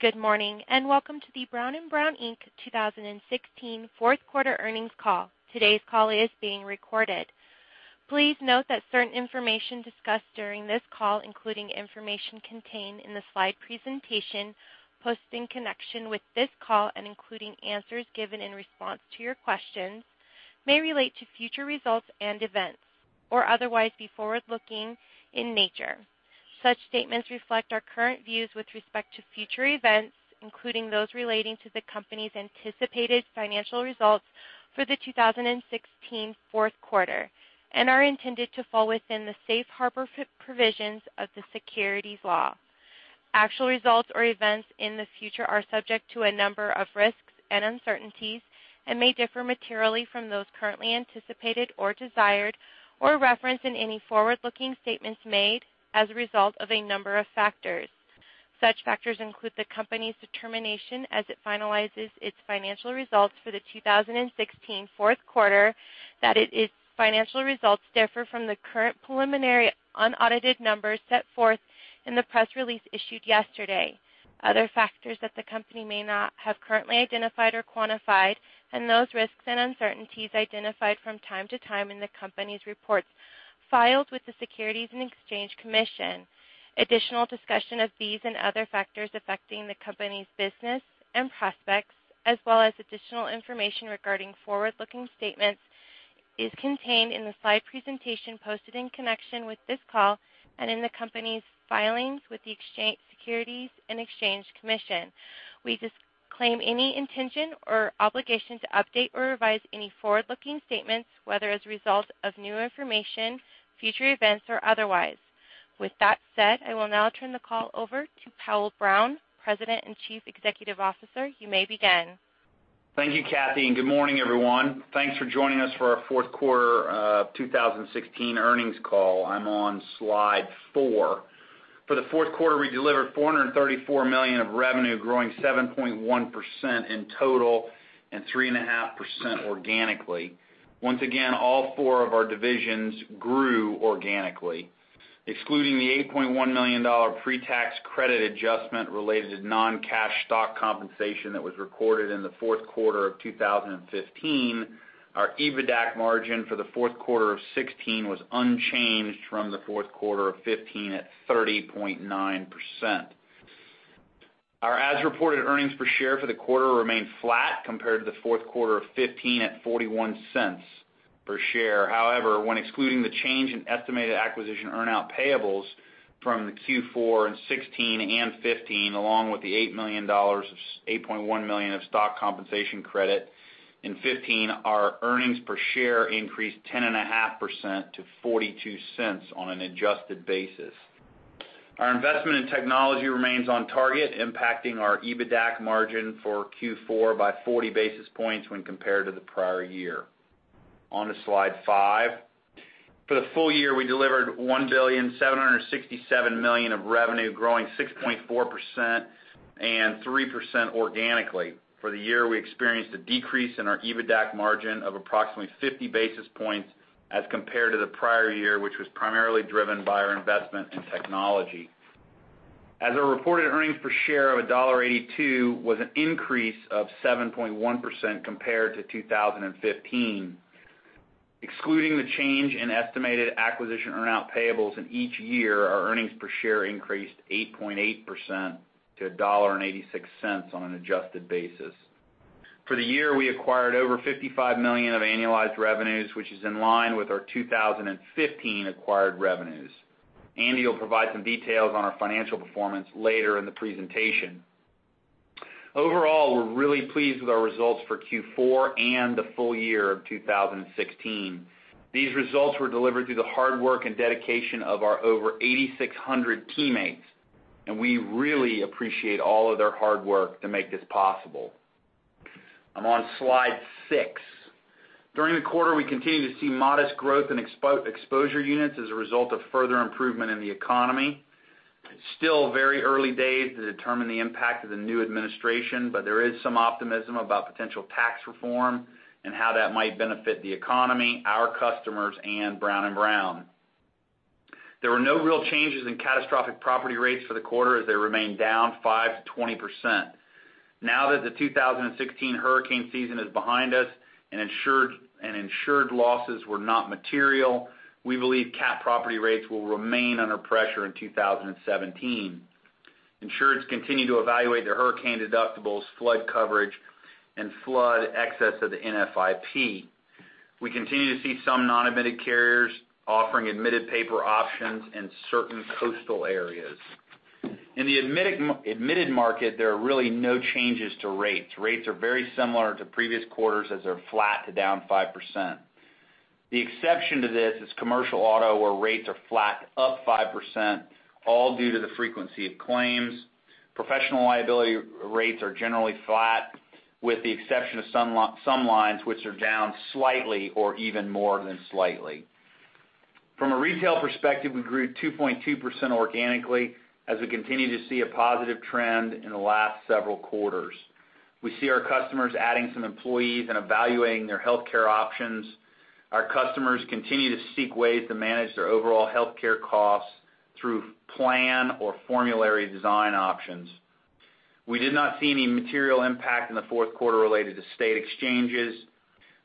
Good morning, and welcome to the Brown & Brown, Inc. 2016 fourth quarter earnings call. Today's call is being recorded. Please note that certain information discussed during this call, including information contained in the slide presentation posted in connection with this call and including answers given in response to your questions, may relate to future results and events or otherwise be forward-looking in nature. Such statements reflect our current views with respect to future events, including those relating to the company's anticipated financial results for the 2016 fourth quarter, and are intended to fall within the safe harbor provisions of the securities law. Actual results or events in the future are subject to a number of risks and uncertainties and may differ materially from those currently anticipated or desired, or referenced in any forward-looking statements made as a result of a number of factors. Such factors include the company's determination as it finalizes its financial results for the 2016 fourth quarter, that its financial results differ from the current preliminary unaudited numbers set forth in the press release issued yesterday. Other factors that the company may not have currently identified or quantified, and those risks and uncertainties identified from time to time in the company's reports filed with the Securities and Exchange Commission. Additional discussion of these and other factors affecting the company's business and prospects, as well as additional information regarding forward-looking statements, is contained in the slide presentation posted in connection with this call and in the company's filings with the Securities and Exchange Commission. We disclaim any intention or obligation to update or revise any forward-looking statements, whether as a result of new information, future events, or otherwise. With that said, I will now turn the call over to Powell Brown, President and Chief Executive Officer. You may begin. Thank you, Kathy, and good morning, everyone. Thanks for joining us for our fourth quarter of 2016 earnings call. I'm on slide four. For the fourth quarter, we delivered $434 million of revenue, growing 7.1% in total and 3.5% organically. Once again, all four of our divisions grew organically, excluding the $8.1 million pre-tax credit adjustment related to non-cash stock compensation that was recorded in the fourth quarter of 2015. Our EBITDAC margin for the fourth quarter of 2016 was unchanged from the fourth quarter of 2015 at 30.9%. Our as-reported earnings per share for the quarter remained flat compared to the fourth quarter of 2015 at $0.41 per share. When excluding the change in estimated acquisition earn-out payables from the Q4 2016 and 2015, along with the $8.1 million of stock compensation credit in 2015, our earnings per share increased 10.5% to $0.42 on an adjusted basis. Our investment in technology remains on target, impacting our EBITDAC margin for Q4 by 40 basis points when compared to the prior year. On to slide five. For the full year, we delivered $1.767 billion of revenue, growing 6.4% and 3% organically. For the year, we experienced a decrease in our EBITDAC margin of approximately 50 basis points as compared to the prior year, which was primarily driven by our investment in technology. As a reported earnings per share of $1.82 was an increase of 7.1% compared to 2015. Excluding the change in estimated acquisition earn-out payables in each year, our earnings per share increased 8.8% to $1.86 on an adjusted basis. For the year, we acquired over $55 million of annualized revenues, which is in line with our 2015 acquired revenues. Andy will provide some details on our financial performance later in the presentation. Overall, we're really pleased with our results for Q4 and the full year of 2016. These results were delivered through the hard work and dedication of our over 8,600 teammates, and we really appreciate all of their hard work to make this possible. I'm on slide six. During the quarter, we continued to see modest growth in exposure units as a result of further improvement in the economy. It's still very early days to determine the impact of the new administration, but there is some optimism about potential tax reform and how that might benefit the economy, our customers, and Brown & Brown. There were no real changes in catastrophic property rates for the quarter as they remained down 5%-20%. Now that the 2016 hurricane season is behind us and insured losses were not material, we believe cat property rates will remain under pressure in 2017. Insurers continue to evaluate their hurricane deductibles, flood coverage, and flood excess of the NFIP. We continue to see some non-admitted carriers offering admitted paper options in certain coastal areas. In the admitted market, there are really no changes to rates. Rates are very similar to previous quarters as they're flat to down 5%. The exception to this is commercial auto, where rates are flat up 5%, all due to the frequency of claims. Professional liability rates are generally flat, with the exception of some lines, which are down slightly or even more than slightly. From a retail perspective, we grew 2.2% organically as we continue to see a positive trend in the last several quarters. We see our customers adding some employees and evaluating their healthcare options. Our customers continue to seek ways to manage their overall healthcare costs through plan or formulary design options. We did not see any material impact in the fourth quarter related to state exchanges.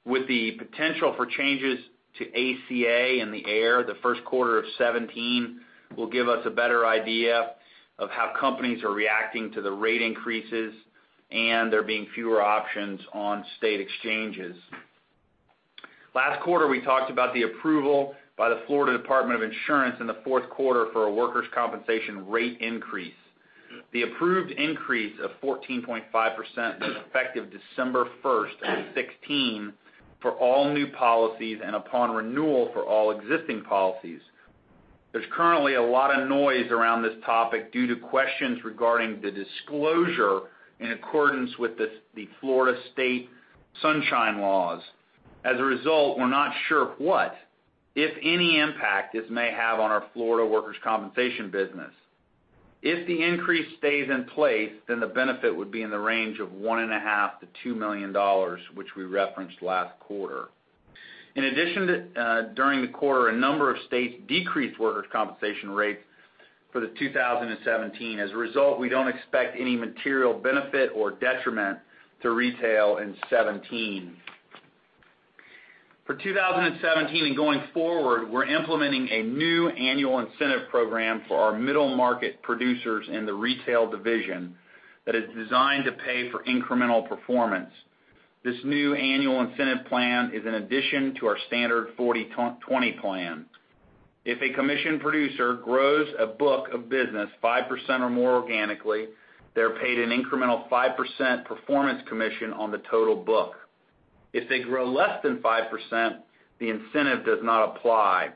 With the potential for changes to ACA in the air, the first quarter of 2017 will give us a better idea of how companies are reacting to the rate increases and there being fewer options on state exchanges. Last quarter, we talked about the approval by the Florida Department of Insurance in the fourth quarter for a workers' compensation rate increase. The approved increase of 14.5% was effective December 1st, 2016, for all new policies and upon renewal for all existing policies. There's currently a lot of noise around this topic due to questions regarding the disclosure in accordance with the Florida Government-in-the-Sunshine Law. We're not sure what, if any, impact this may have on our Florida workers' compensation business. If the increase stays in place, the benefit would be in the range of $1.5 million-$2 million, which we referenced last quarter. During the quarter, a number of states decreased workers' compensation rates for 2017. We don't expect any material benefit or detriment to retail in 2017. For 2017 and going forward, we're implementing a new annual incentive program for our middle market producers in the retail division that is designed to pay for incremental performance. This new annual incentive plan is an addition to our standard 40/20 plan. If a commission producer grows a book of business 5% or more organically, they're paid an incremental 5% performance commission on the total book. If they grow less than 5%, the incentive does not apply.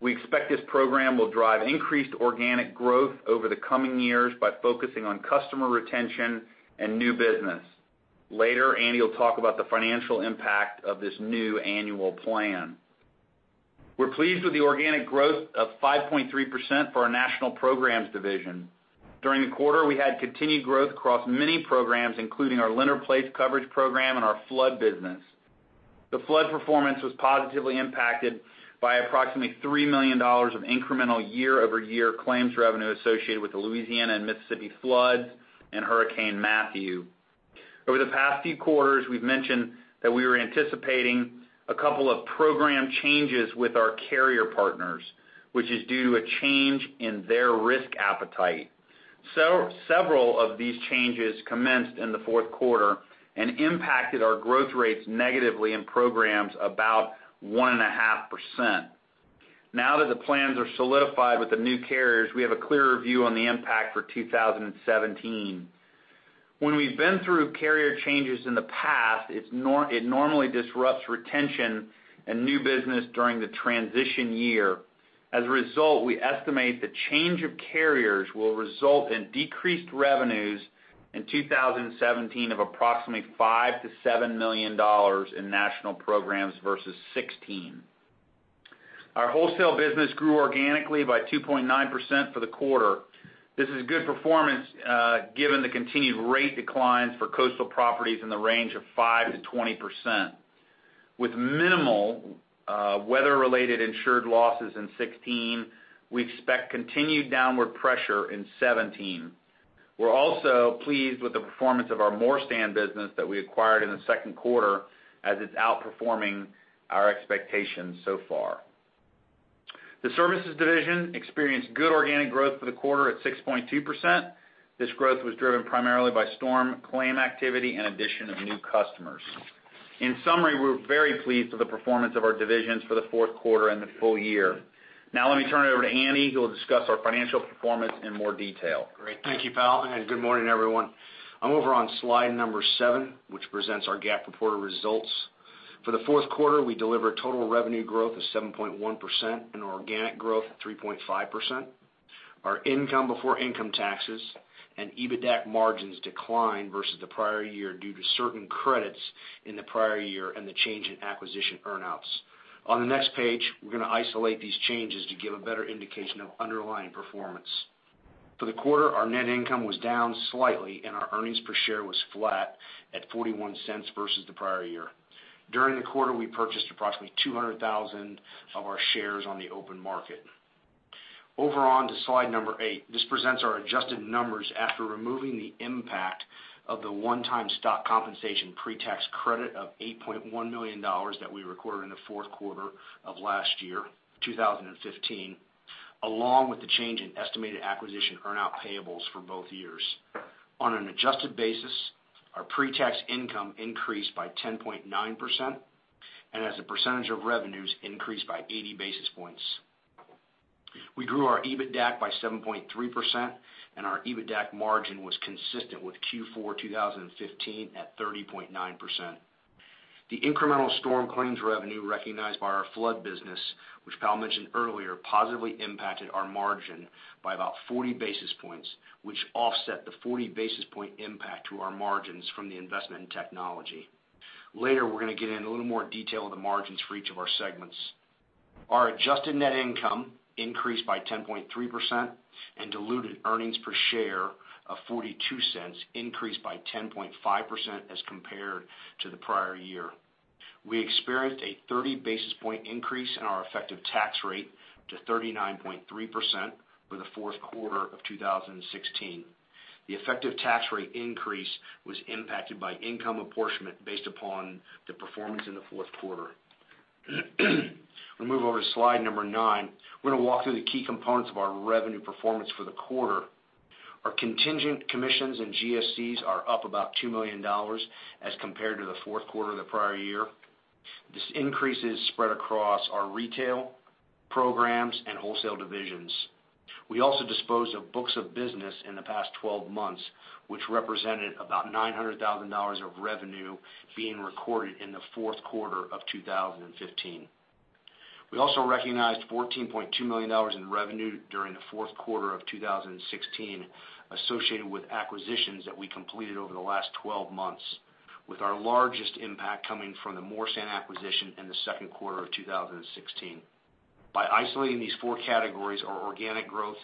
We expect this program will drive increased organic growth over the coming years by focusing on customer retention and new business. Later, Andy will talk about the financial impact of this new annual plan. We're pleased with the organic growth of 5.3% for our National Programs division. During the quarter, we had continued growth across many programs, including our lender-placed coverage program and our flood business. The flood performance was positively impacted by approximately $3 million of incremental year-over-year claims revenue associated with the Louisiana and Mississippi floods and Hurricane Matthew. Over the past few quarters, we've mentioned that we were anticipating a couple of program changes with our carrier partners, which is due to a change in their risk appetite. Several of these changes commenced in the fourth quarter and impacted our growth rates negatively in programs about 1.5%. The plans are solidified with the new carriers, we have a clearer view on the impact for 2017. We've been through carrier changes in the past, it normally disrupts retention and new business during the transition year. We estimate the change of carriers will result in decreased revenues in 2017 of approximately $5 million-$7 million in National Programs versus 2016. Our wholesale business grew organically by 2.9% for the quarter. This is good performance, given the continued rate declines for coastal properties in the range of 5%-20%. Minimal weather-related insured losses in 2016, we expect continued downward pressure in 2017. We're also pleased with the performance of our Morstan business that we acquired in the second quarter, as it's outperforming our expectations so far. The Services division experienced good organic growth for the quarter at 6.2%. This growth was driven primarily by storm claim activity and addition of new customers. We're very pleased with the performance of our divisions for the fourth quarter and the full year. Let me turn it over to Andy, who will discuss our financial performance in more detail. Great. Thank you, Powell, and good morning, everyone. I'm over on slide number seven, which presents our GAAP reported results. For the fourth quarter, we delivered total revenue growth of 7.1% and organic growth of 3.5%. Our income before income taxes and EBITDAC margins declined versus the prior year due to certain credits in the prior year and the change in acquisition earn-outs. On the next page, we're going to isolate these changes to give a better indication of underlying performance. For the quarter, our net income was down slightly, and our earnings per share was flat at $0.41 versus the prior year. During the quarter, we purchased approximately 200,000 of our shares on the open market. Over on to slide eight. This presents our adjusted numbers after removing the impact of the one-time stock compensation pre-tax credit of $8.1 million that we recorded in the fourth quarter of last year, 2015, along with the change in estimated acquisition earn-out payables for both years. On an adjusted basis, our pre-tax income increased by 10.9%, and as a percentage of revenues increased by 80 basis points. We grew our EBITDAC by 7.3%, and our EBITDAC margin was consistent with Q4 2015 at 30.9%. The incremental storm claims revenue recognized by our flood business, which Powell mentioned earlier, positively impacted our margin by about 40 basis points, which offset the 40 basis point impact to our margins from the investment in technology. Later, we're going to get in a little more detail of the margins for each of our segments. Our adjusted net income increased by 10.3%, and diluted earnings per share of $0.42 increased by 10.5% as compared to the prior year. We experienced a 30 basis point increase in our effective tax rate to 39.3% for the fourth quarter of 2016. The effective tax rate increase was impacted by income apportionment based upon the performance in the fourth quarter. We move over to slide nine. We're going to walk through the key components of our revenue performance for the quarter. Our contingent commissions and GSCs are up about $2 million as compared to the fourth quarter of the prior year. This increase is spread across our retail, programs, and wholesale divisions. We also disposed of books of business in the past 12 months, which represented about $900,000 of revenue being recorded in the fourth quarter of 2015. We also recognized $14.2 million in revenue during the fourth quarter of 2016 associated with acquisitions that we completed over the last 12 months, with our largest impact coming from the Morstan acquisition in the second quarter of 2016. By isolating these four categories, our organic growth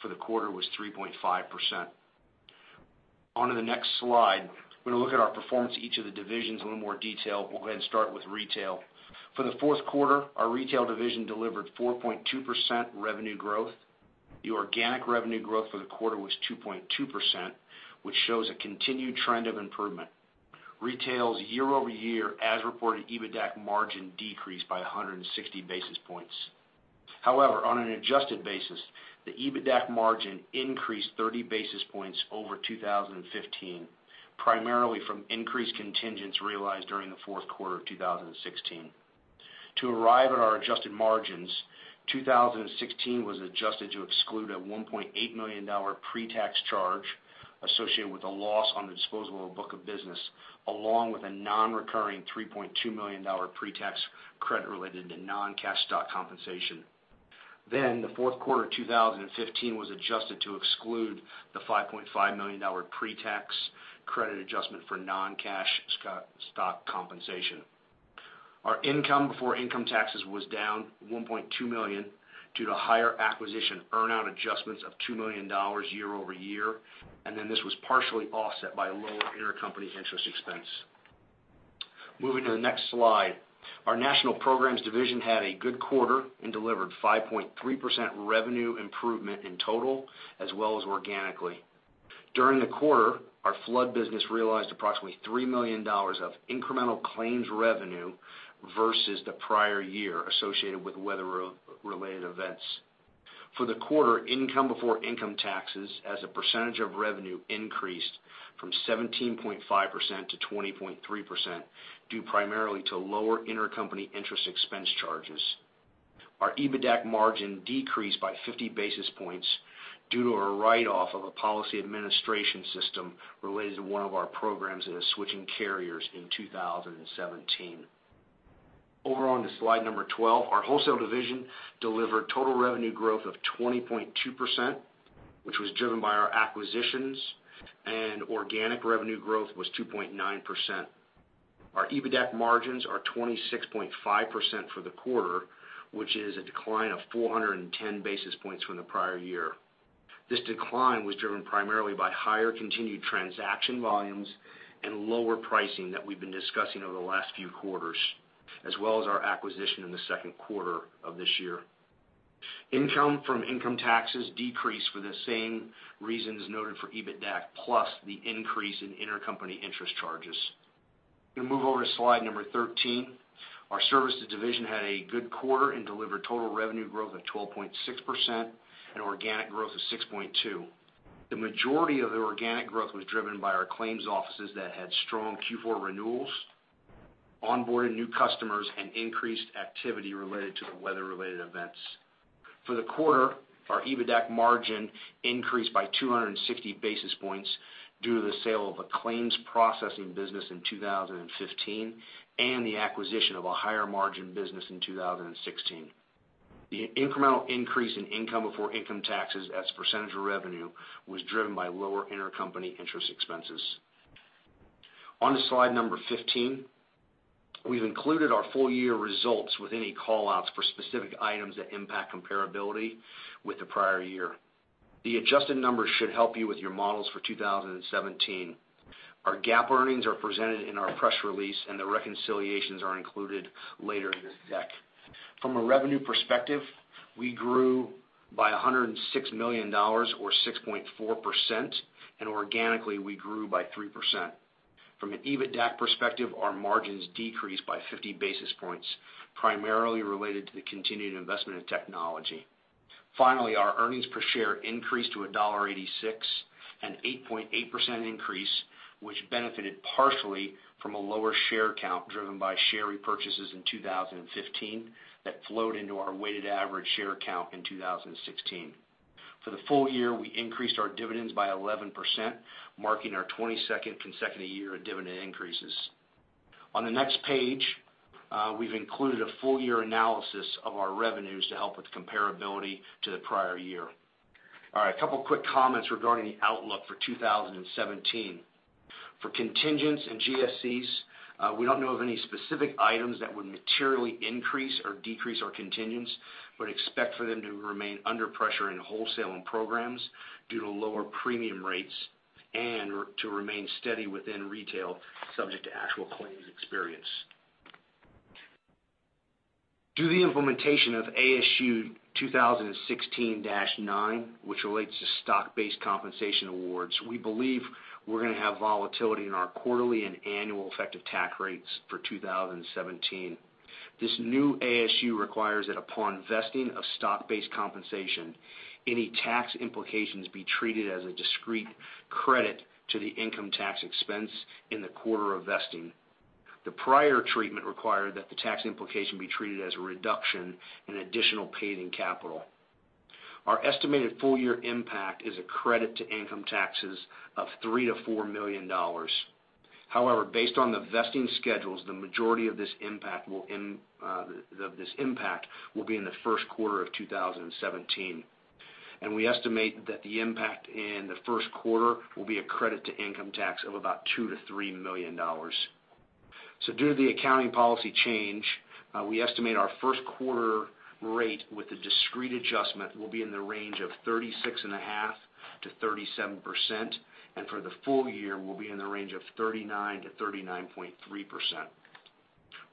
for the quarter was 3.5%. On to the next slide, we're going to look at our performance in each of the divisions in a little more detail. We'll go ahead and start with retail. For the fourth quarter, our retail division delivered 4.2% revenue growth. The organic revenue growth for the quarter was 2.2%, which shows a continued trend of improvement. Retail's year-over-year as-reported EBITDAC margin decreased by 160 basis points. However, on an adjusted basis, the EBITDAC margin increased 30 basis points over 2015, primarily from increased contingents realized during the fourth quarter of 2016. To arrive at our adjusted margins, 2016 was adjusted to exclude a $1.8 million pre-tax charge associated with a loss on the disposal of a book of business, along with a non-recurring $3.2 million pre-tax credit related to non-cash stock compensation. The fourth quarter 2015 was adjusted to exclude the $5.5 million pre-tax credit adjustment for non-cash stock compensation. Our income before income taxes was down $1.2 million due to higher acquisition earn-out adjustments of $2 million year-over-year, this was partially offset by lower intercompany interest expense. Moving to the next slide. Our National Programs division had a good quarter and delivered 5.3% revenue improvement in total as well as organically. During the quarter, our flood business realized approximately $3 million of incremental claims revenue versus the prior year associated with weather-related events. For the quarter, income before income taxes as a percentage of revenue increased from 17.5% to 20.3%, due primarily to lower intercompany interest expense charges. Our EBITDAC margin decreased by 50 basis points due to a write-off of a policy administration system related to one of our programs that is switching carriers in 2017. Over on to slide number 12. Our Wholesale division delivered total revenue growth of 20.2%, which was driven by our acquisitions, organic revenue growth was 2.9%. Our EBITDAC margins are 26.5% for the quarter, which is a decline of 410 basis points from the prior year. This decline was driven primarily by higher continued transaction volumes and lower pricing that we've been discussing over the last few quarters, as well as our acquisition in the second quarter of this year. Income from income taxes decreased for the same reasons noted for EBITDAC, plus the increase in intercompany interest charges. Going to move over to slide number 13. Our Services division had a good quarter and delivered total revenue growth of 12.6% and organic growth of 6.2%. The majority of the organic growth was driven by our claims offices that had strong Q4 renewals, onboarded new customers, and increased activity related to the weather-related events. For the quarter, our EBITDAC margin increased by 260 basis points due to the sale of a claims processing business in 2015 and the acquisition of a higher margin business in 2016. The incremental increase in income before income taxes as a percentage of revenue was driven by lower intercompany interest expenses. On to slide number 15. We've included our full year results with any callouts for specific items that impact comparability with the prior year. The adjusted numbers should help you with your models for 2017. Our GAAP earnings are presented in our press release, the reconciliations are included later in this deck. From a revenue perspective, we grew by $106 million, or 6.4%, organically, we grew by 3%. From an EBITDAC perspective, our margins decreased by 50 basis points, primarily related to the continued investment in technology. Finally, our earnings per share increased to $1.86, an 8.8% increase, which benefited partially from a lower share count driven by share repurchases in 2015 that flowed into our weighted average share count in 2016. For the full year, we increased our dividends by 11%, marking our 22nd consecutive year of dividend increases. On the next page, we've included a full year analysis of our revenues to help with comparability to the prior year. All right. A couple quick comments regarding the outlook for 2017. For contingents and GSCs, we don't know of any specific items that would materially increase or decrease our contingents, but expect for them to remain under pressure in wholesale and programs due to lower premium rates and to remain steady within retail, subject to actual claims experience. Due to the implementation of ASU 2016-09, which relates to stock-based compensation awards, we believe we're going to have volatility in our quarterly and annual effective tax rates for 2017. This new ASU requires that upon vesting of stock-based compensation, any tax implications be treated as a discrete credit to the income tax expense in the quarter of vesting. The prior treatment required that the tax implication be treated as a reduction in additional paid-in capital. Our estimated full-year impact is a credit to income taxes of $3 million-$4 million. However, based on the vesting schedules, the majority of this impact will be in the first quarter of 2017. And we estimate that the impact in the first quarter will be a credit to income tax of about $2 million-$3 million. Due to the accounting policy change, we estimate our first quarter rate with the discrete adjustment will be in the range of 36.5%-37%, and for the full year, will be in the range of 39%-39.3%.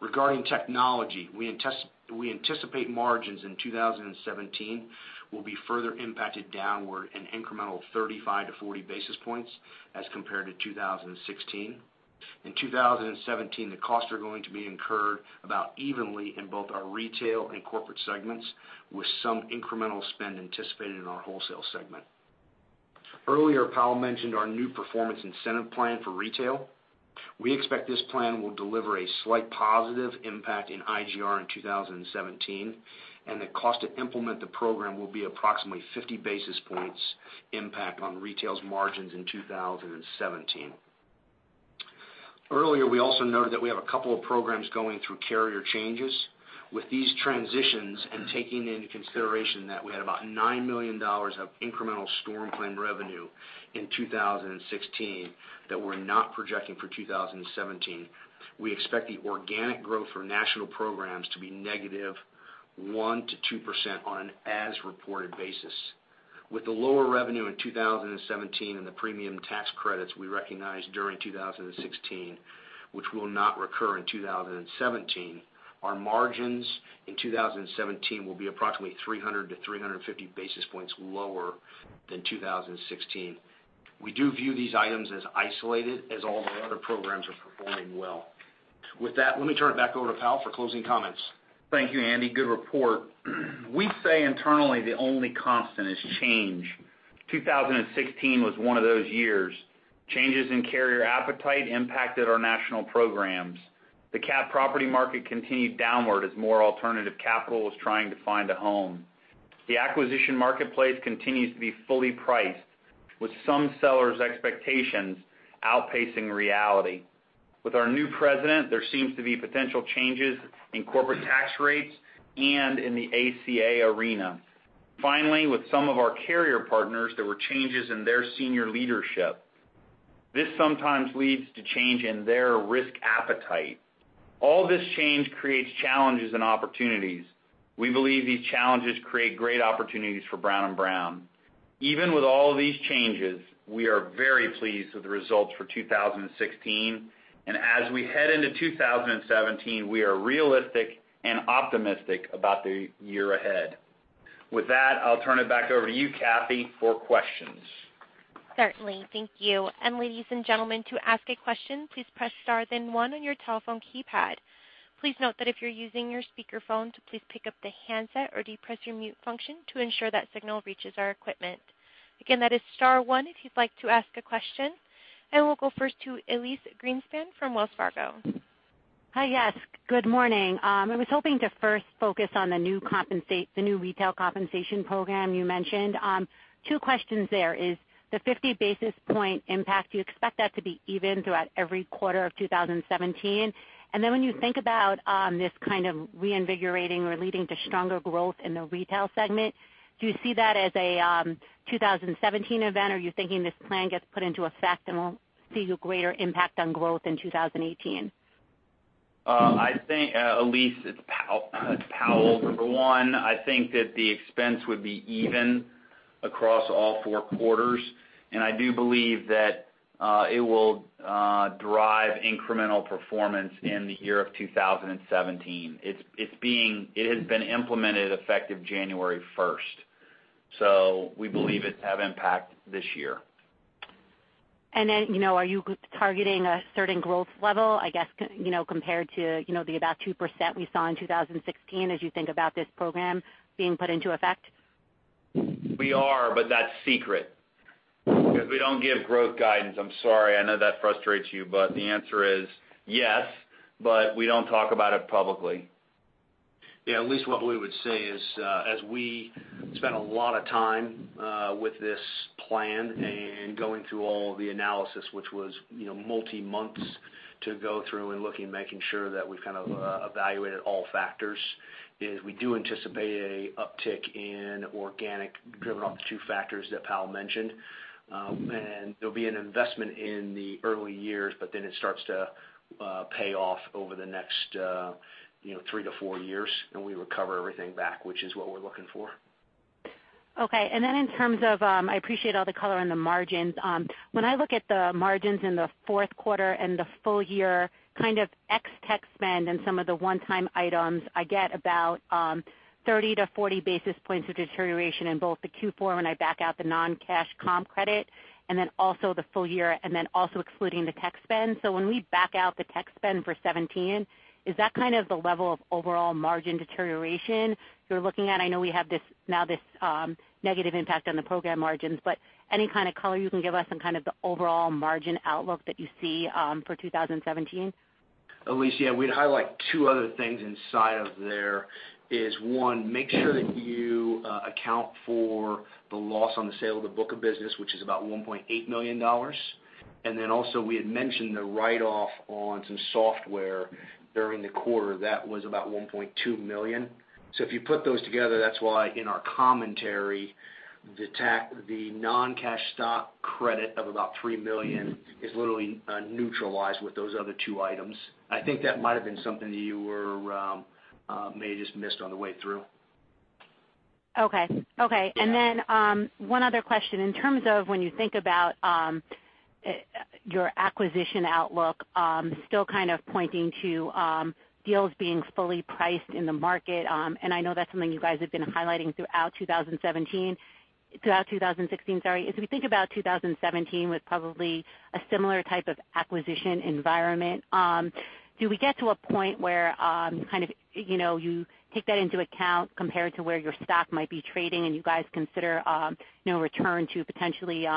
Regarding technology, we anticipate margins in 2017 will be further impacted downward an incremental 35-40 basis points as compared to 2016. In 2017, the costs are going to be incurred about evenly in both our retail and corporate segments, with some incremental spend anticipated in our wholesale segment. Earlier, Powell mentioned our new performance incentive plan for retail. We expect this plan will deliver a slight positive impact in IGR in 2017, and the cost to implement the program will be approximately 50 basis points impact on retail's margins in 2017. Earlier, we also noted that we have a couple of programs going through carrier changes. With these transitions, and taking into consideration that we had about $9 million of incremental storm claim revenue in 2016 that we're not projecting for 2017, we expect the organic growth for National Programs to be negative 1%-2% on an as-reported basis. With the lower revenue in 2017 and the premium tax credits we recognized during 2016, which will not recur in 2017, our margins in 2017 will be approximately 300-350 basis points lower than 2016. We do view these items as isolated as all of our other programs are performing well. With that, let me turn it back over to Powell for closing comments. Thank you, Andy. Good report. We say internally the only constant is change. 2016 was one of those years. Changes in carrier appetite impacted our national programs. The cat property market continued downward as more alternative capital was trying to find a home. The acquisition marketplace continues to be fully priced, with some sellers' expectations outpacing reality. With our new president, there seems to be potential changes in corporate tax rates and in the ACA arena. Finally, with some of our carrier partners, there were changes in their senior leadership. This sometimes leads to change in their risk appetite. All this change creates challenges and opportunities. We believe these challenges create great opportunities for Brown & Brown. Even with all of these changes, we are very pleased with the results for 2016, and as we head into 2017, we are realistic and optimistic about the year ahead. I'll turn it back over to you, Kathy, for questions. Certainly. Thank you. Ladies and gentlemen, to ask a question, please press star then one on your telephone keypad. Please note that if you're using your speakerphone, to please pick up the handset or depress your mute function to ensure that signal reaches our equipment. Again, that is star one if you'd like to ask a question. We'll go first to Elyse Greenspan from Wells Fargo. Hi, yes. Good morning. I was hoping to first focus on the new retail compensation program you mentioned. Two questions there is the 50 basis point impact, do you expect that to be even throughout every quarter of 2017? Then when you think about this kind of reinvigorating or leading to stronger growth in the retail segment, do you see that as a 2017 event? Are you thinking this plan gets put into effect and we'll see a greater impact on growth in 2018? Elyse, it's Powell. For one, I think that the expense would be even across all four quarters. I do believe that it will drive incremental performance in the year of 2017. It has been implemented effective January 1st. We believe it'll have impact this year. Are you targeting a certain growth level, I guess, compared to the about 2% we saw in 2016 as you think about this program being put into effect? We are, but that's secret because we don't give growth guidance. I'm sorry. I know that frustrates you, but the answer is yes, but we don't talk about it publicly. Yeah, Elyse, what we would say is, as we spent a lot of time with this plan and going through all the analysis, which was multi-months to go through and looking, making sure that we've kind of evaluated all factors, is we do anticipate an uptick in organic, driven off the two factors that Powell mentioned. There'll be an investment in the early years. It starts to pay off over the next three to four years. We recover everything back, which is what we're looking for. Okay. I appreciate all the color on the margins. When I look at the margins in the fourth quarter and the full year, kind of ex tech spend and some of the one-time items, I get about 30-40 basis points of deterioration in both the Q4 when I back out the non-cash comp credit, the full year, and also excluding the tech spend. When we back out the tech spend for 2017, is that kind of the level of overall margin deterioration you're looking at? I know we have now this negative impact on the program margins, any kind of color you can give us on kind of the overall margin outlook that you see, for 2017? Elyse, yeah, we'd highlight two other things inside of there is one, make sure that you account for the loss on the sale of the book of business, which is about $1.8 million. We had mentioned the write-off on some software during the quarter. That was about $1.2 million. If you put those together, that's why in our commentary, the non-cash stock credit of about $3 million is literally neutralized with those other two items. I think that might've been something that you may have just missed on the way through. Okay. One other question. In terms of when you think about your acquisition outlook, still kind of pointing to deals being fully priced in the market, and I know that's something you guys have been highlighting throughout 2016. As we think about 2017 with probably a similar type of acquisition environment, do we get to a point where you take that into account compared to where your stock might be trading, and you guys consider return to potentially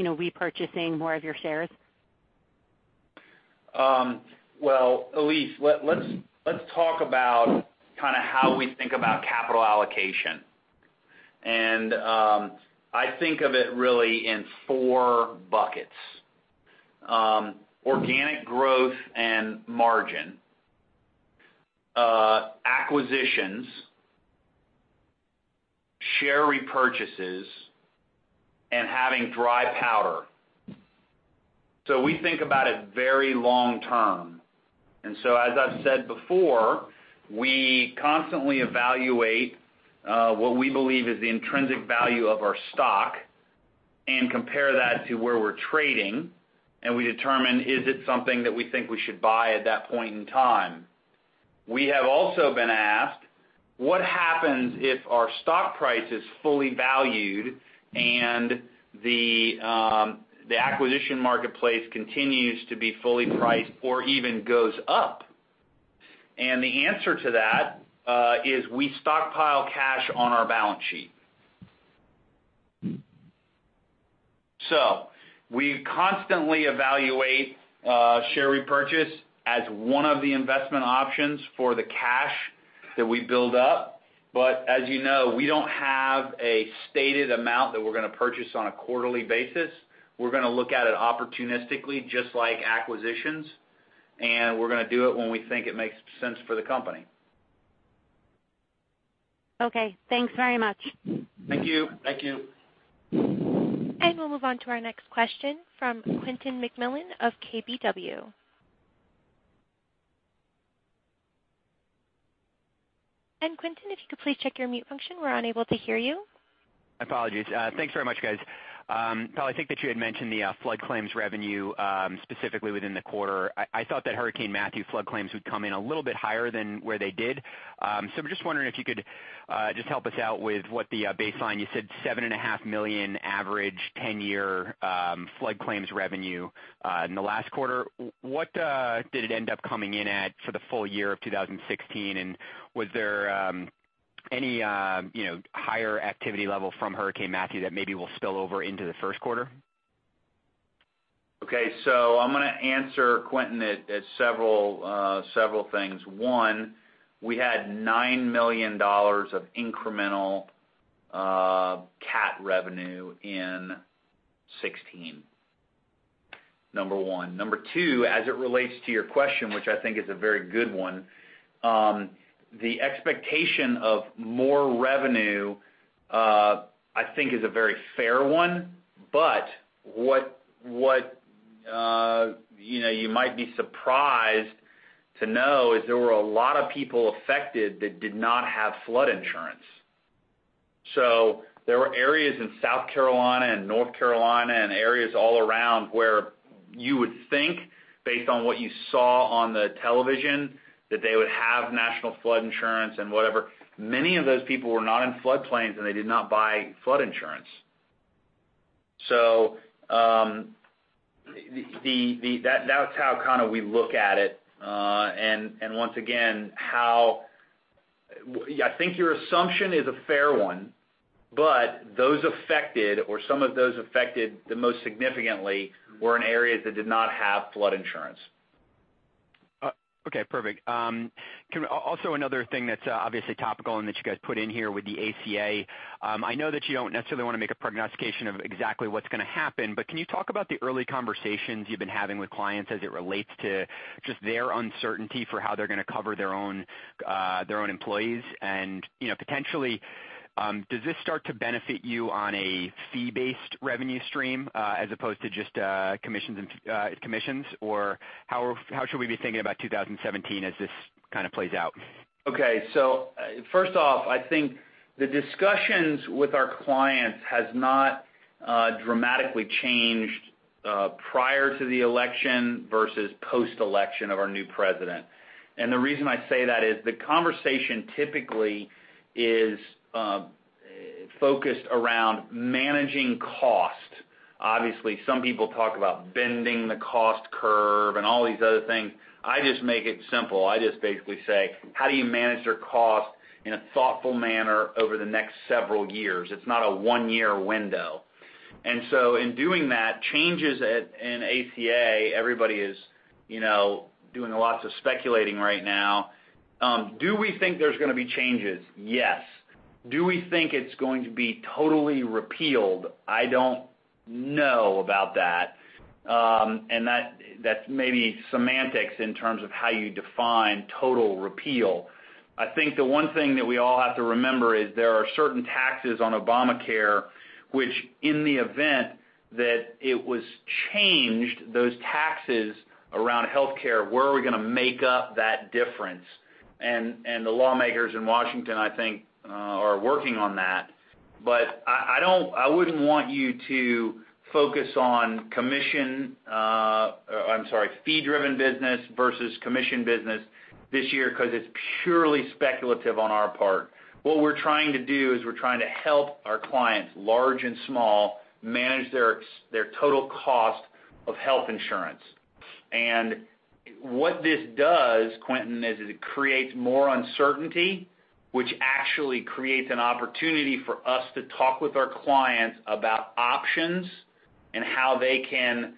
repurchasing more of your shares? Elyse, let's talk about how we think about capital allocation. I think of it really in four buckets. Organic growth and margin, acquisitions, share repurchases, and having dry powder. We think about it very long term. As I've said before, we constantly evaluate what we believe is the intrinsic value of our stock and compare that to where we're trading, and we determine, is it something that we think we should buy at that point in time? We have also been asked, what happens if our stock price is fully valued and the acquisition marketplace continues to be fully priced or even goes up? The answer to that, is we stockpile cash on our balance sheet. We constantly evaluate share repurchase as one of the investment options for the cash that we build up. As you know, we don't have a stated amount that we're going to purchase on a quarterly basis. We're going to look at it opportunistically, just like acquisitions, and we're going to do it when we think it makes sense for the company. Okay, thanks very much. Thank you. Thank you. We'll move on to our next question from Quentin McMillan of KBW. Quentin, if you could please check your mute function, we're unable to hear you. Apologies. Thanks very much, guys. Powell, I think that you had mentioned the flood claims revenue, specifically within the quarter. I thought that Hurricane Matthew flood claims would come in a little bit higher than where they did. I'm just wondering if you could just help us out with what the baseline, you said seven and a half million average 10-year flood claims revenue, in the last quarter. What did it end up coming in at for the full year of 2016, and was there any higher activity level from Hurricane Matthew that maybe will spill over into the first quarter? I'm going to answer Quentin at several things. One, we had $9 million of incremental cat revenue in 2016. Number one. Number two, as it relates to your question, which I think is a very good one, the expectation of more revenue, I think is a very fair one. What you might be surprised to know is there were a lot of people affected that did not have flood insurance. There were areas in South Carolina and North Carolina and areas all around where you would think based on what you saw on the television, that they would have National Flood Insurance and whatever. Many of those people were not in flood plains, and they did not buy flood insurance. That's how kind of we look at it. Once again, I think your assumption is a fair one. Those affected, or some of those affected the most significantly, were in areas that did not have flood insurance. Okay, perfect. Another thing that's obviously topical and that you guys put in here with the ACA. I know that you don't necessarily want to make a prognostication of exactly what's going to happen, but can you talk about the early conversations you've been having with clients as it relates to just their uncertainty for how they're going to cover their own employees? Potentially, does this start to benefit you on a fee-based revenue stream, as opposed to just commissions? How should we be thinking about 2017 as this kind of plays out? Okay. First off, I think the discussions with our clients has not dramatically changed prior to the election versus post-election of our new president. The reason I say that is the conversation typically is focused around managing cost. Obviously, some people talk about bending the cost curve and all these other things. I just make it simple. I just basically say, "How do you manage your cost in a thoughtful manner over the next several years?" It's not a one-year window. In doing that, changes in ACA, everybody is doing lots of speculating right now. Do we think there's going to be changes? Yes. Do we think it's going to be totally repealed? I don't know about that. That's maybe semantics in terms of how you define total repeal. I think the one thing that we all have to remember is there are certain taxes on Obamacare, which in the event that it was changed, those taxes around healthcare, where are we going to make up that difference? The lawmakers in Washington, I think, are working on that. I wouldn't want you to focus on fee-driven business versus commission business this year, because it's purely speculative on our part. What we're trying to do is we're trying to help our clients, large and small, manage their total cost of health insurance. What this does, Quentin, is it creates more uncertainty, which actually creates an opportunity for us to talk with our clients about options and how they can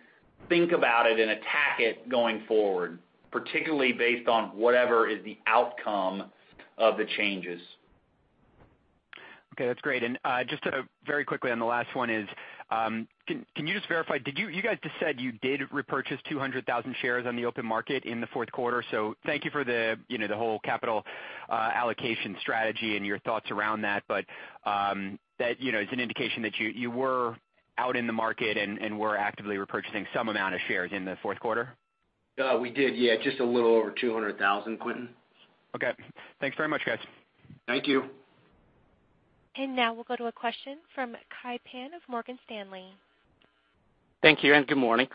think about it and attack it going forward, particularly based on whatever is the outcome of the changes. Okay. That's great. Just very quickly on the last one is, can you just verify, you guys just said you did repurchase 200,000 shares on the open market in the fourth quarter. Thank you for the whole capital allocation strategy and your thoughts around that. That is an indication that you were out in the market and were actively repurchasing some amount of shares in the fourth quarter? We did, yeah, just a little over 200,000, Quentin. Okay. Thanks very much, guys. Thank you. Now we'll go to a question from Kai Pan of Morgan Stanley. Thank you, and good morning.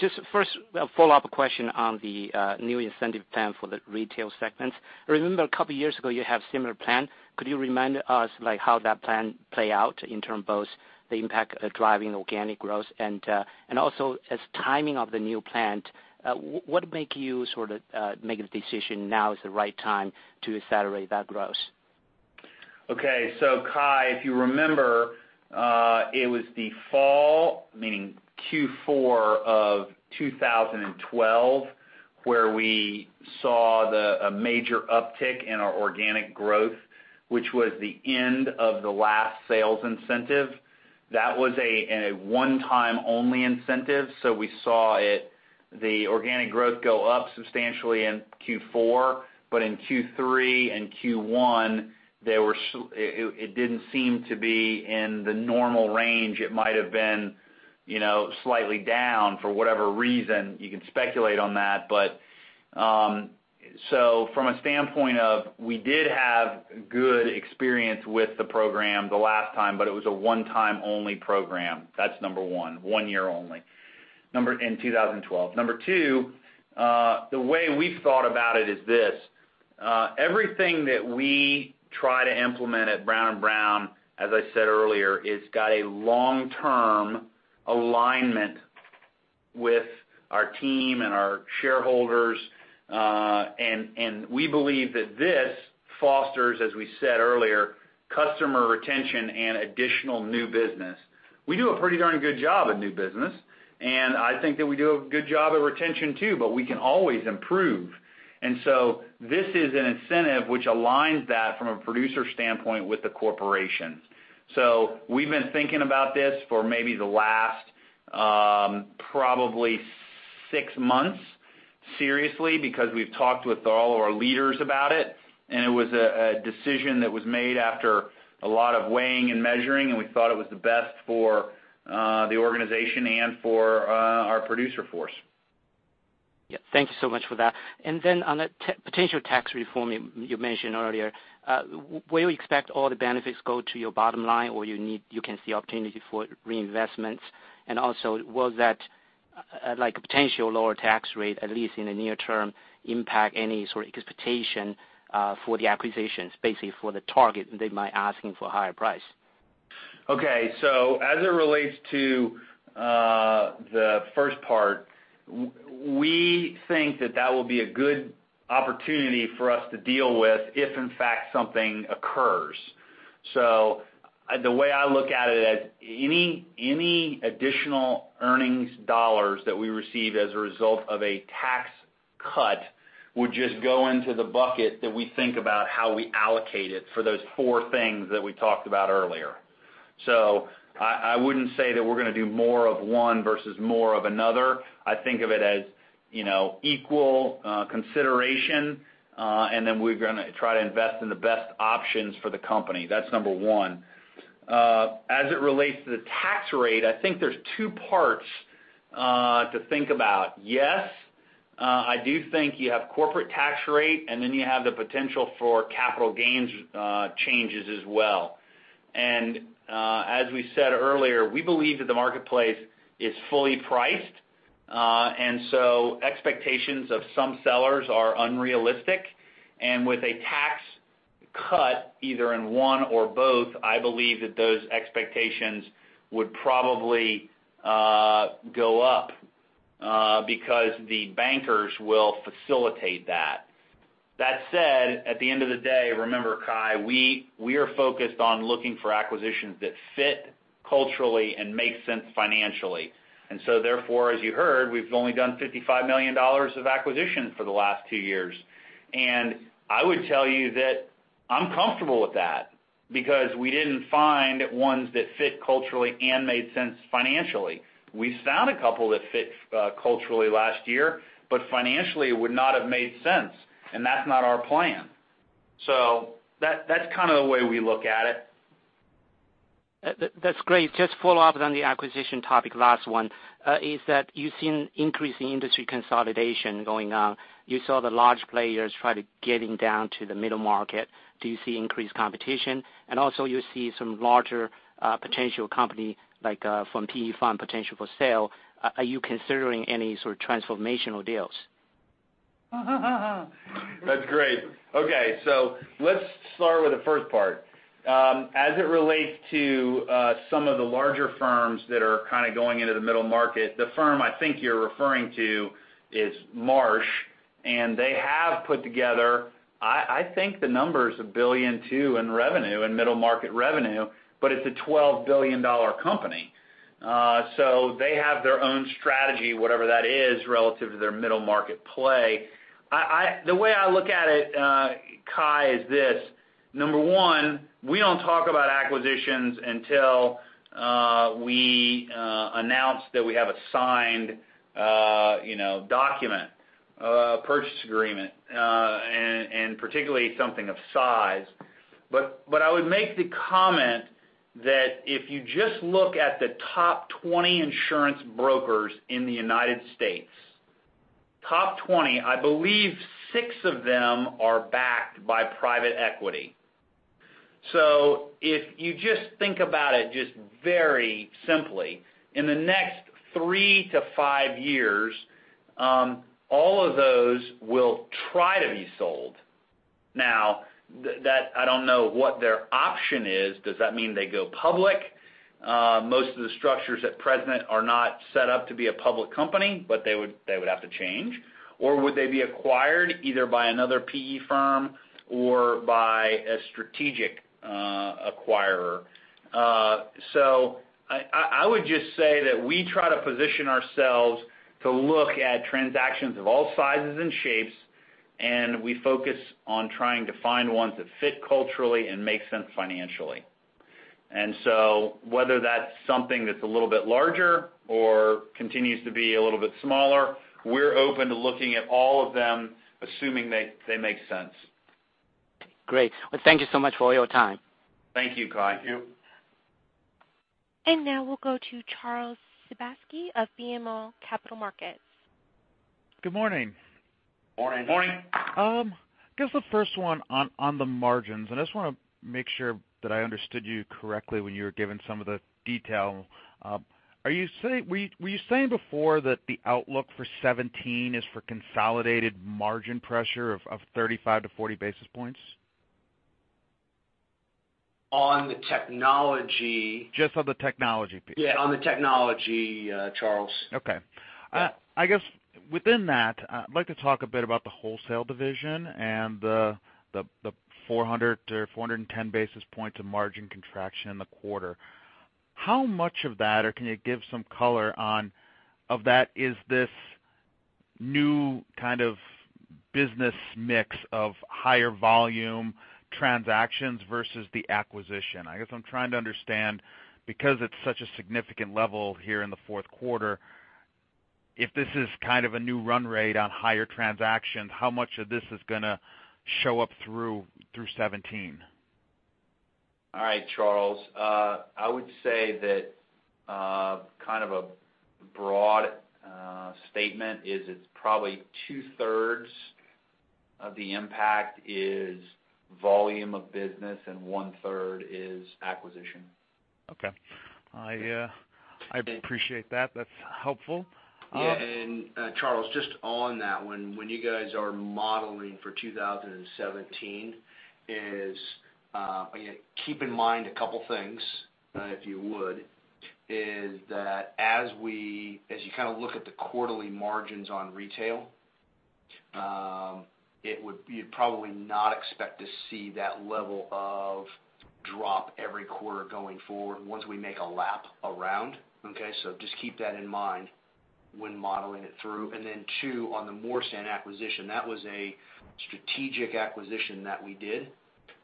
Just first a follow-up question on the new incentive plan for the retail segments. I remember a couple of years ago, you have similar plan. Could you remind us, like, how that plan play out in term both the impact driving organic growth and also as timing of the new plan, what make you sort of make the decision now is the right time to accelerate that growth? Okay. Kai, if you remember, it was the fall, meaning Q4 of 2012, where we saw a major uptick in our organic growth, which was the end of the last sales incentive. That was a one-time-only incentive. We saw the organic growth go up substantially in Q4, but in Q3 and Q1, it didn't seem to be in the normal range. It might have been slightly down for whatever reason. You can speculate on that, but, from a standpoint of, we did have good experience with the program the last time, but it was a one-time-only program. That's number one year only in 2012. Number two, the way we've thought about it is this. Everything that we try to implement at Brown & Brown, as I said earlier, it's got a long-term alignment with our team and our shareholders. We believe that this fosters, as we said earlier, customer retention and additional new business. We do a pretty darn good job at new business, and I think that we do a good job at retention too, but we can always improve. This is an incentive which aligns that from a producer standpoint with the corporation. We've been thinking about this for maybe the last probably six months seriously, because we've talked with all of our leaders about it, and it was a decision that was made after a lot of weighing and measuring, and we thought it was the best for the organization and for our producer force. Yeah. Thank you so much for that. On the potential tax reform you mentioned earlier, where you expect all the benefits go to your bottom line or you can see opportunity for reinvestments? Also, will that potential lower tax rate, at least in the near term, impact any sort of expectation for the acquisitions, basically for the target, they might asking for a higher price? As it relates to the first part, we think that that will be a good opportunity for us to deal with if, in fact, something occurs. The way I look at it, as any additional earnings dollars that we receive as a result of a tax cut would just go into the bucket that we think about how we allocate it for those four things that we talked about earlier. I wouldn't say that we're going to do more of one versus more of another. I think of it as equal consideration, and then we're going to try to invest in the best options for the company. That's number 1. As it relates to the tax rate, I think there's 2 parts to think about. Yes, I do think you have corporate tax rate, and then you have the potential for capital gains changes as well. As we said earlier, we believe that the marketplace is fully priced. Expectations of some sellers are unrealistic. With a tax cut, either in one or both, I believe that those expectations would probably go up because the bankers will facilitate that. That said, at the end of the day, remember, Kai, we are focused on looking for acquisitions that fit culturally and make sense financially. Therefore, as you heard, we've only done $55 million of acquisition for the last two years. I would tell you that I'm comfortable with that because we didn't find ones that fit culturally and made sense financially. We found a couple that fit culturally last year, but financially would not have made sense, and that's not our plan. That's kind of the way we look at it. That's great. Just follow up on the acquisition topic, last 1, is that you've seen increasing industry consolidation going on. You saw the large players try to getting down to the middle market. Do you see increased competition? Also, you see some larger potential company like from PE firm potential for sale. Are you considering any sort of transformational deals? That's great. Okay, let's start with the first part. As it relates to some of the larger firms that are kind of going into the middle market, the firm I think you're referring to is Marsh, and they have put together, I think the number's $1.2 billion in revenue, in middle market revenue, but it's a $12 billion company. They have their own strategy, whatever that is, relative to their middle market play. The way I look at it, Kai, is this: number 1, we don't talk about acquisitions until we announce that we have a signed document, purchase agreement, and particularly something of size. I would make the comment that if you just look at the top 20 insurance brokers in the U.S., top 20, I believe six of them are backed by private equity. If you just think about it just very simply, in the next 3 to 5 years, all of those will try to be sold. I don't know what their option is. Does that mean they go public? Most of the structures at present are not set up to be a public company, but they would have to change. Would they be acquired either by another PE firm or by a strategic acquirer? I would just say that we try to position ourselves to look at transactions of all sizes and shapes, and we focus on trying to find ones that fit culturally and make sense financially. Whether that's something that's a little bit larger or continues to be a little bit smaller, we're open to looking at all of them, assuming they make sense. Great. Thank you so much for your time. Thank you, Kai. Thank you. Now we'll go to Charles Sebaski of BMO Capital Markets. Good morning. Morning. Morning. I guess the first one on the margins, I just want to make sure that I understood you correctly when you were giving some of the detail. Were you saying before that the outlook for 2017 is for consolidated margin pressure of 35-40 basis points? On the technology- Just on the technology piece. Yeah, on the technology, Charles. Okay. I guess within that, I'd like to talk a bit about the wholesale division and the 400-410 basis points of margin contraction in the quarter. How much of that, or can you give some color on of that is this new kind of business mix of higher volume transactions versus the acquisition? I guess I'm trying to understand, because it's such a significant level here in the fourth quarter, if this is kind of a new run rate on higher transactions, how much of this is going to show up through 2017? All right, Charles. I would say that kind of a broad statement is it's probably two-thirds of the impact is volume of business, and one-third is acquisition. Okay. I appreciate that. That's helpful. Yeah. Charles, just on that one, when you guys are modeling for 2017, keep in mind a couple things, if you would, is that as you look at the quarterly margins on retail, you'd probably not expect to see that level of drop every quarter going forward once we make a lap around. Okay? Just keep that in mind when modeling it through. Then 2, on the Morstan acquisition, that was a strategic acquisition that we did,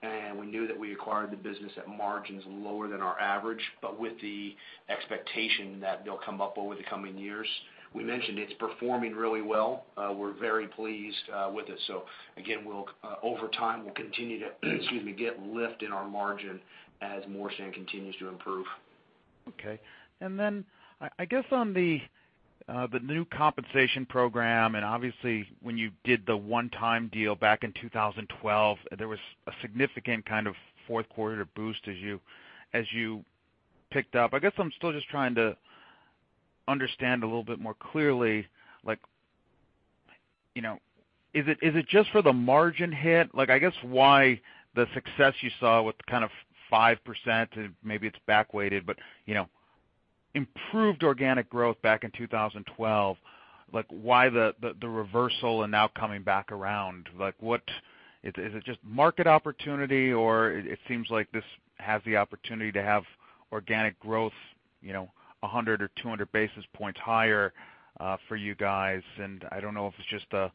and we knew that we acquired the business at margins lower than our average, but with the expectation that they'll come up over the coming years. We mentioned it's performing really well. We're very pleased with it. Again, over time, we'll continue to, excuse me, get lift in our margin as Morstan continues to improve. Okay. I guess on the new compensation program, obviously when you did the one-time deal back in 2012, there was a significant kind of fourth quarter boost as you picked up. I guess I'm still just trying to understand a little bit more clearly, is it just for the margin hit? I guess why the success you saw with the 5%, and maybe it's back weighted, but improved organic growth back in 2012, why the reversal and now coming back around? Is it just market opportunity, or it seems like this has the opportunity to have organic growth 100 or 200 basis points higher for you guys. I don't know if it's just a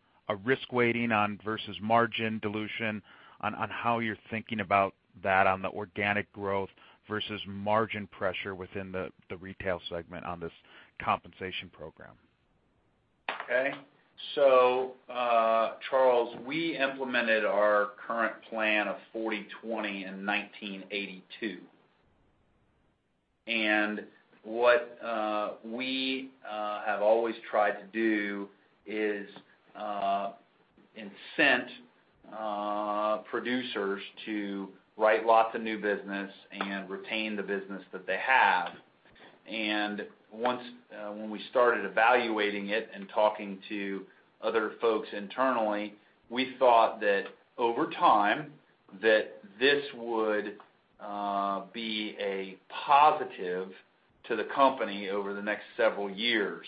risk weighting versus margin dilution on how you're thinking about that on the organic growth versus margin pressure within the retail segment on this compensation program. Okay. Charles, we implemented our current plan of 40/20 in 1982. What we have always tried to do is incent producers to write lots of new business and retain the business that they have. When we started evaluating it and talking to other folks internally, we thought that over time, that this would be a positive to the company over the next several years.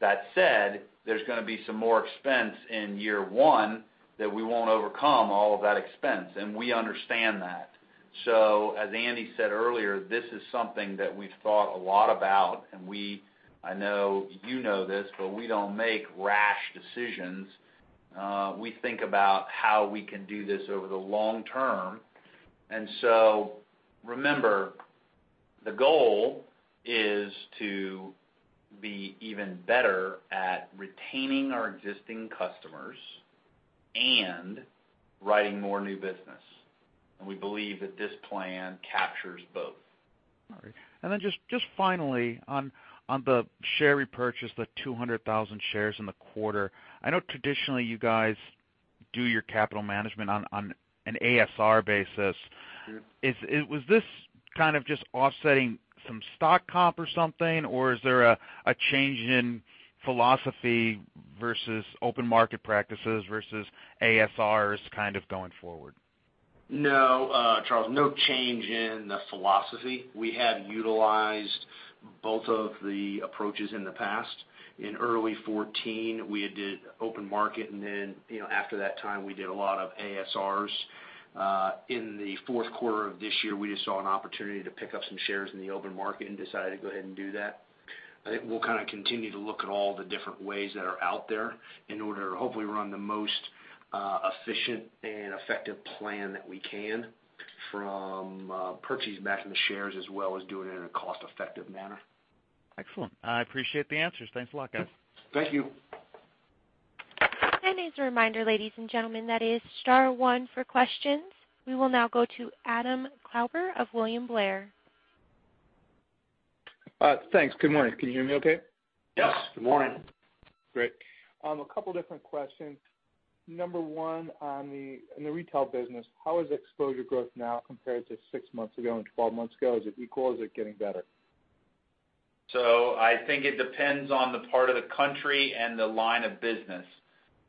That said, there's going to be some more expense in year one that we won't overcome all of that expense, and we understand that. As Andy said earlier, this is something that we've thought a lot about, and I know you know this, but we don't make rash decisions. We think about how we can do this over the long term. Remember, the goal is to be even better at retaining our existing customers and writing more new business. We believe that this plan captures both. All right. Just finally, on the share repurchase, the 200,000 shares in the quarter, I know traditionally you guys do your capital management on an ASR basis. Was this kind of just offsetting some stock comp or something, or is there a change in philosophy versus open market practices versus ASRs kind of going forward? No, Charles, no change in the philosophy. We have utilized both of the approaches in the past. In early 2014, we had did open market, and then after that time, we did a lot of ASRs. In the fourth quarter of this year, we just saw an opportunity to pick up some shares in the open market and decided to go ahead and do that. I think we'll continue to look at all the different ways that are out there in order to hopefully run the most efficient and effective plan that we can from purchasing back in the shares, as well as doing it in a cost-effective manner. Excellent. I appreciate the answers. Thanks a lot, guys. Thank you. As a reminder, ladies and gentlemen, that is star one for questions. We will now go to Adam Klauber of William Blair. Thanks. Good morning. Can you hear me okay? Yes. Good morning. Great. A couple different questions. Number one, in the retail business, how is exposure growth now compared to six months ago and 12 months ago? Is it equal? Is it getting better? I think it depends on the part of the country and the line of business.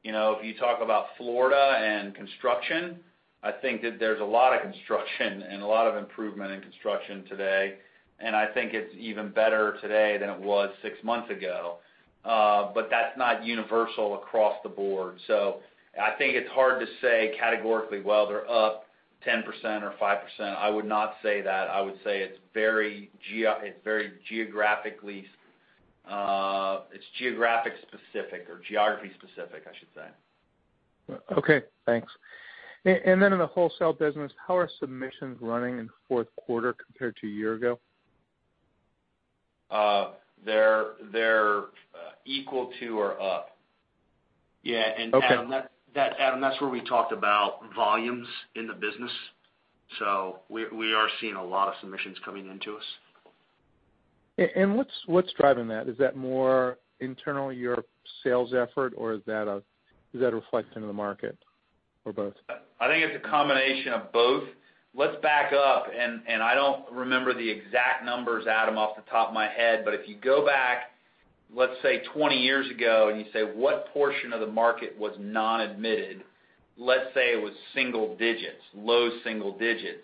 If you talk about Florida and construction, I think that there's a lot of construction and a lot of improvement in construction today, and I think it's even better today than it was six months ago. That's not universal across the board. I think it's hard to say categorically, well, they're up 10% or 5%. I would not say that. I would say it's geographic specific, or geography specific, I should say. Okay, thanks. Then in the wholesale business, how are submissions running in the fourth quarter compared to a year ago? They're equal to or up. Yeah. Adam, that's where we talked about volumes in the business. We are seeing a lot of submissions coming in to us. What's driving that? Is that more internal, your sales effort, or is that a reflect in the market? Both? I think it's a combination of both. Let's back up, I don't remember the exact numbers, Adam, off the top of my head. If you go back, let's say 20 years ago, you say, what portion of the market was non-admitted? Let's say it was single digits, low single digits.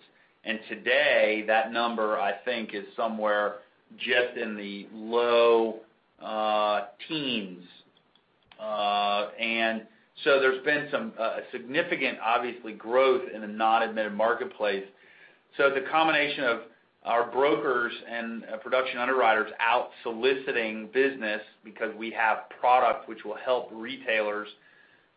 Today, that number, I think, is somewhere just in the low teens. There's been some significant, obviously, growth in the non-admitted marketplace. It's a combination of our brokers and production underwriters out soliciting business because we have product which will help retailers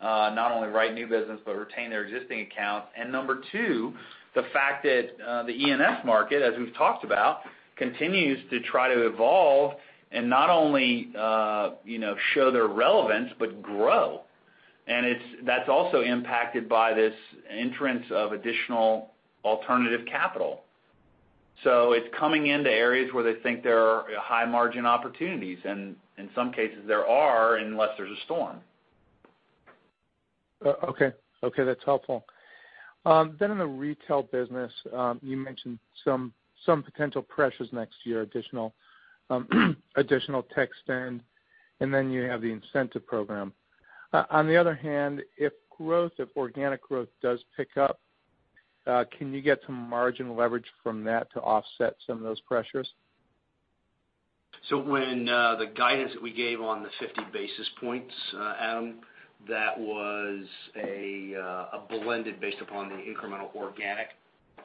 not only write new business, but retain their existing accounts. Number 2, the fact that the E&S market, as we've talked about, continues to try to evolve and not only show their relevance, but grow. That's also impacted by this entrance of additional alternative capital. It's coming into areas where they think there are high margin opportunities, and in some cases there are, unless there's a storm. Okay. That's helpful. In the retail business, you mentioned some potential pressures next year, additional tech spend, and then you have the incentive program. On the other hand, if organic growth does pick up, can you get some margin leverage from that to offset some of those pressures? When the guidance that we gave on the 50 basis points, Adam, that was a blended based upon the incremental organic.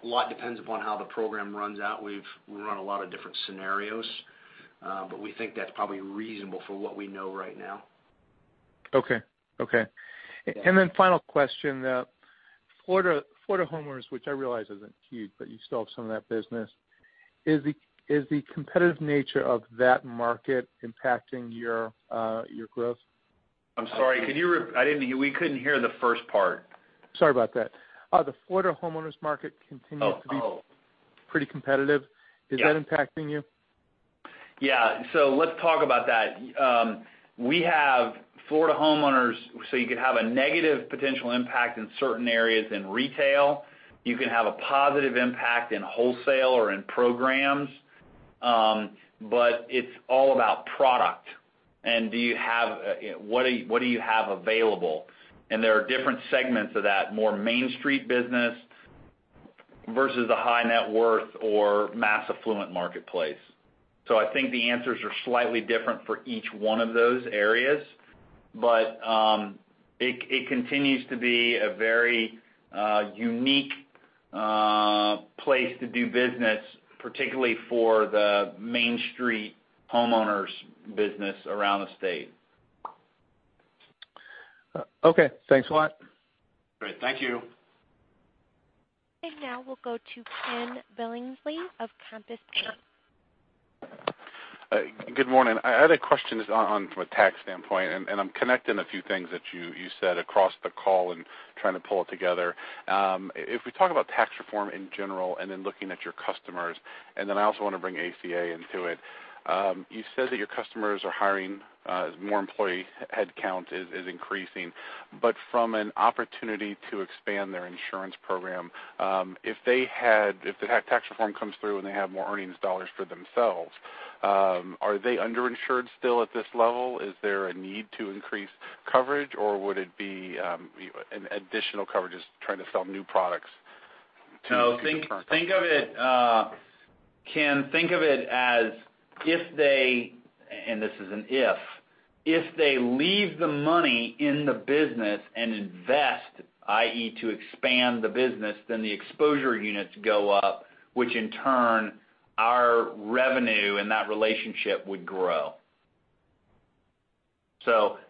A lot depends upon how the program runs out. We've run a lot of different scenarios. We think that's probably reasonable for what we know right now. Okay. Final question. Florida Homeowners, which I realize isn't huge, but you still have some of that business. Is the competitive nature of that market impacting your growth? I'm sorry. We couldn't hear the first part. Sorry about that. The Florida Homeowners market continues to be- Oh pretty competitive. Yeah. Is that impacting you? Yeah. Let's talk about that. We have Florida Homeowners, so you could have a negative potential impact in certain areas in retail. You can have a positive impact in wholesale or in programs. It's all about product and what do you have available. There are different segments of that, more Main Street business versus the high net worth or mass affluent marketplace. I think the answers are slightly different for each one of those areas. It continues to be a very unique place to do business, particularly for the Main Street homeowners business around the state. Okay, thanks a lot. Great. Thank you. Now we'll go to Ken Billingsley of Compass Point. Good morning. I had a question on from a tax standpoint, and I'm connecting a few things that you said across the call and trying to pull it together. If we talk about tax reform in general, and then looking at your customers, and then I also want to bring ACA into it. You said that your customers are hiring, more employee headcount is increasing. From an opportunity to expand their insurance program, if the tax reform comes through and they have more earnings dollars for themselves, are they underinsured still at this level? Is there a need to increase coverage, or would it be an additional coverage is trying to sell new products to the current customer? Ken, think of it as if they, this is an if they leave the money in the business and invest, i.e., to expand the business, then the exposure units go up, which in turn, our revenue and that relationship would grow.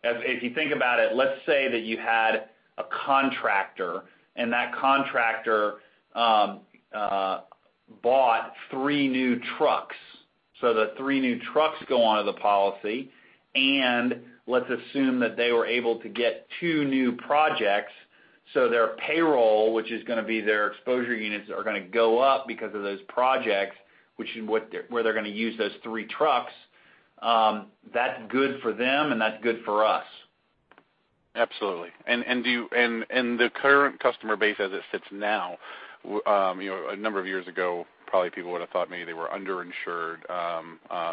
If you think about it, let's say that you had a contractor, and that contractor bought three new trucks. The three new trucks go onto the policy, and let's assume that they were able to get two new projects, so their payroll, which is going to be their exposure units, are going to go up because of those projects, where they're going to use those three trucks. That's good for them and that's good for us. Absolutely. The current customer base as it sits now, a number of years ago, probably people would've thought maybe they were underinsured,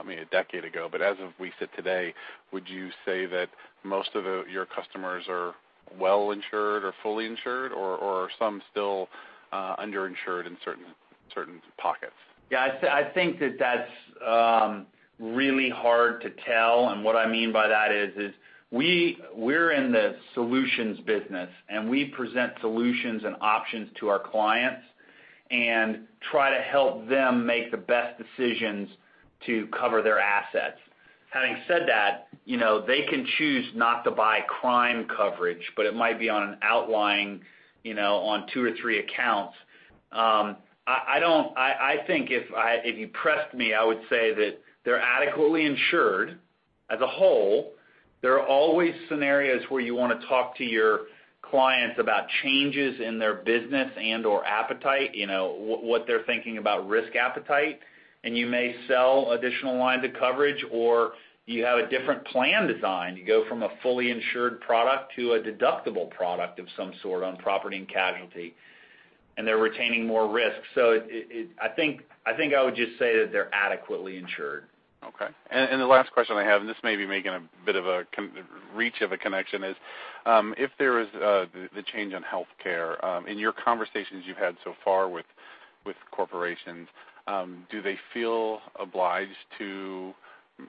maybe a decade ago. As of we sit today, would you say that most of your customers are well insured or fully insured, or are some still underinsured in certain pockets? Yeah, I think that's really hard to tell. What I mean by that is we're in the solutions business, and we present solutions and options to our clients and try to help them make the best decisions to cover their assets. Having said that, they can choose not to buy crime coverage, but it might be on an outlying on two or three accounts. I think if you pressed me, I would say that they're adequately insured as a whole. There are always scenarios where you want to talk to your clients about changes in their business and/or appetite, what they're thinking about risk appetite. You may sell additional lines of coverage, or you have a different plan design. You go from a fully insured product to a deductible product of some sort on property and casualty. They're retaining more risk. I think I would just say that they're adequately insured. Okay. The last question I have, and this may be making a bit of a reach of a connection, is if there is the change in healthcare, in your conversations you've had so far with corporations, do they feel obliged to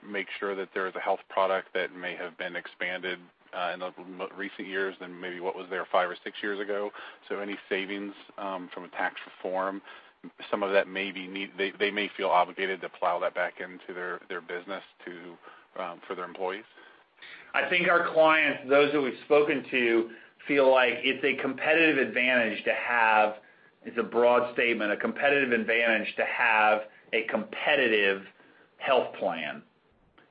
make sure that there is a health product that may have been expanded in recent years than maybe what was there five or six years ago? Any savings from a tax reform, some of that they may feel obligated to plow that back into their business for their employees. I think our clients, those who we've spoken to, feel like it's a competitive advantage to have, it's a broad statement, a competitive advantage to have a competitive health plan.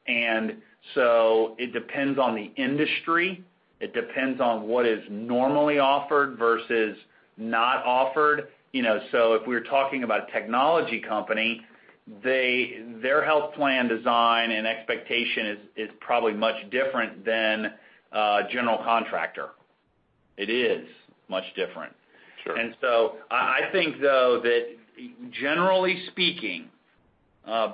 It depends on the industry. It depends on what is normally offered versus not offered. If we were talking about a technology company, their health plan design and expectation is probably much different than a general contractor. It is much different. Sure. I think, though, that generally speaking,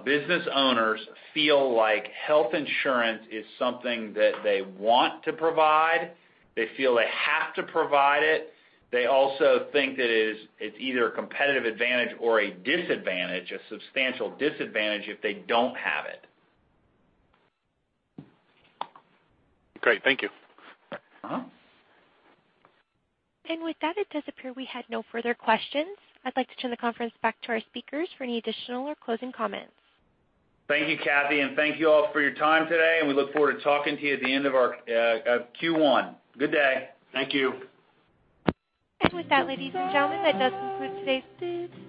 business owners feel like health insurance is something that they want to provide. They feel they have to provide it. They also think that it's either a competitive advantage or a disadvantage, a substantial disadvantage, if they don't have it. Great. Thank you. With that, it does appear we had no further questions. I'd like to turn the conference back to our speakers for any additional or closing comments. Thank you, Kathy, and thank you all for your time today, and we look forward to talking to you at the end of our Q1. Good day. Thank you. With that, ladies and gentlemen, that does conclude today's